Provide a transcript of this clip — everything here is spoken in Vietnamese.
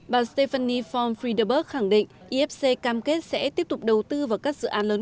bà stephanie von friederberg khẳng định ifc cam kết sẽ tiếp tục đầu tư vào các dự án lớn